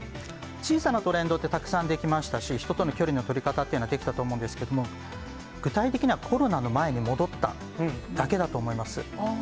小さなトレンドって、たくさんできましたし、人との距離の取り方というのはできたと思うんですけど、具体的にはコロナの前に戻っただけだと思います。